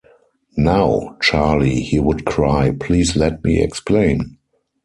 "Now, Charlie," he would cry, "please let me explain!"